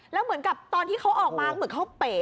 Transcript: แล้วเหมือนกับตอนที่เขาออกมาเหมือนเขาเป๋